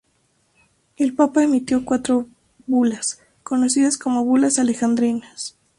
El Papa emitió cuatro bulas, conocidas como Bulas Alejandrinas.